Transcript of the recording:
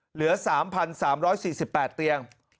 เหลือ๓๓๔๘เตียง